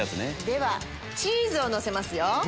ではチーズをのせますよ。